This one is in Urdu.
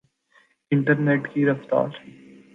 انٹرنیٹ کی رفتار